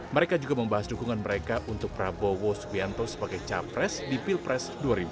mereka juga membahas dukungan mereka untuk prabowo subianto sebagai capres di pilpres dua ribu dua puluh